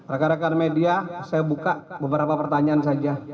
rekan rekan media saya buka beberapa pertanyaan saja